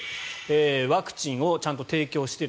ワクチンをちゃんと提供している。